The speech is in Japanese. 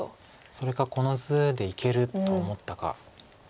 それかこの図でいけると思ったか。